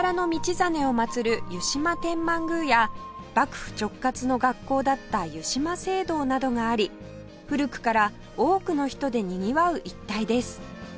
湯島天満宮や幕府直轄の学校だった湯島聖堂などがあり古くから多くの人でにぎわう一帯です